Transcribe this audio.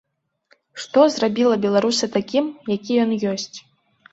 Што зрабіла беларуса такім, які ён ёсць?